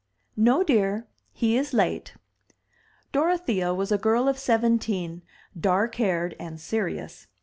"No, dear. He is late." Dorothea was a girl of seventeen, dark haired and serious.